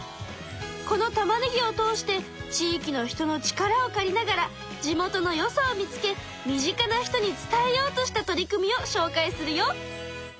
このたまねぎを通して地域の人の力を借りながら地元のよさを見つけ身近な人に伝えようとした取り組みをしょうかいするよ。